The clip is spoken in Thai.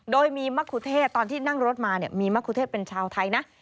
โดยมีมะคุเทศตอนที่นั่งรถมามีมะคุเทศเป็นชาวไทยนะ